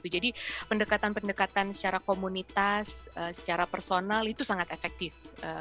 jadi pendekatan pendekatan secara komunitas secara personal itu sangat efektif